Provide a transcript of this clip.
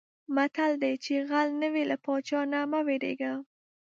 متل دی: چې غل نه وې له پادشاه نه مه وېرېږه.